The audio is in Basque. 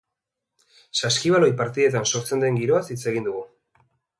Saskibaloi partidetan sortzen den giroaz hitz egin dugu.